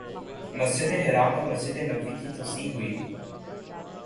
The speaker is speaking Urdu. مسجد حرام اور مسجد نبوی کی توسیع ہوئی